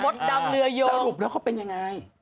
ดำเรือยนสรุปแล้วเขาเป็นยังไง